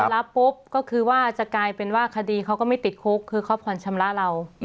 รับปุ๊บก็คือว่าจะกลายเป็นว่าคดีเขาก็ไม่ติดคุกคือเขาผ่อนชำระเรา